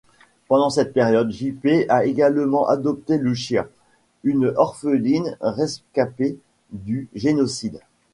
Pendant cette période, Jeppe a également adopté Lucia, une orpheline rescapée du génocide.